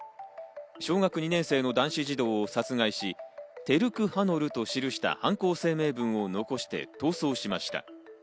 小学２年生の男子児童を殺害し、「てるくはのる」と記した犯行声明文を残して逃走しました。